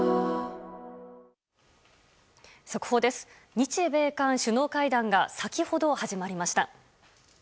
日米韓首脳会談が先ほど、始まりました。